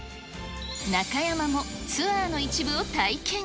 中山もツアーの一部を体験。